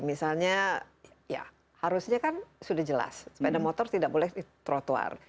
misalnya ya harusnya kan sudah jelas sepeda motor tidak boleh di trotoar